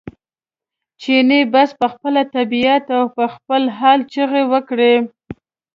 چیني بس په خپله طبعیت او په خپل حال چغې وکړې.